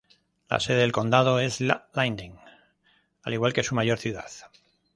La sede del condado es Linden, al igual que su mayor ciudad.